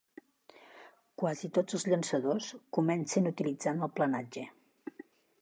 Quasi tots els llançadors comencen utilitzant el planatge.